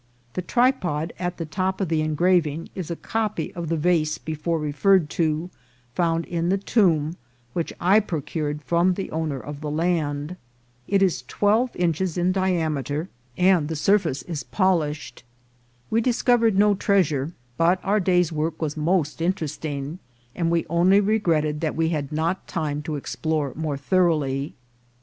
The tripod at the top of the engraving is a copy of the vase before referred to, found in the tomb, which I procured from the owner of the land. It is twelve inches in diameter, and the sur 232 INCIDENTS OF TRAVEL. face is polished. We discovered no treasure, but our day's work was most interesting, and we only regret ted that we had not time to explore more thoroughly.